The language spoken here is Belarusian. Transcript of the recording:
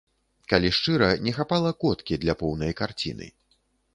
Калі шчыра, не хапала коткі для поўнай карціны.